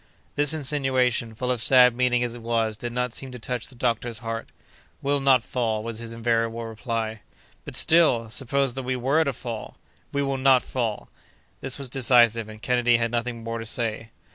This insinuation, full of sad meaning as it was, did not seem to touch the doctor's heart. "We'll not fall," was his invariable reply. "But, still, suppose that we were to fall!" "We will not fall!" This was decisive, and Kennedy had nothing more to say.